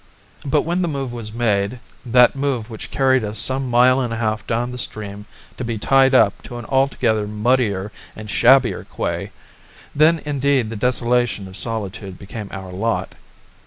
But when the move was made that move which carried us some mile and a half down the stream to be tied up to an altogether muddier and shabbier quay then indeed the desolation of solitude became our lot.